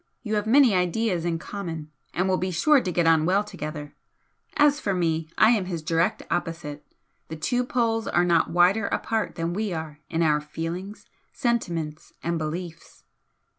You have many ideas in common and will be sure to get on well together. As for me, I am his direct opposite, the two poles are not wider apart than we are in our feelings, sentiments and beliefs."